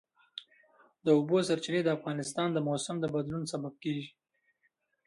د اوبو سرچینې د افغانستان د موسم د بدلون سبب کېږي.